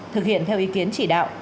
thực hiện theo ý kiến chỉ đạo